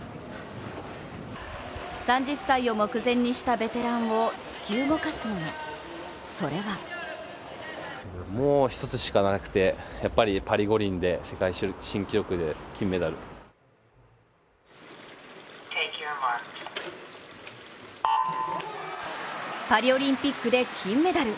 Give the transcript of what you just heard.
３０歳を目前にしたベテランを突き動かすもの、それはパリオリンピックで金メダル。